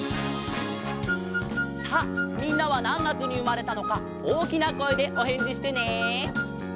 さあみんなはなんがつにうまれたのかおおきなこえでおへんじしてね！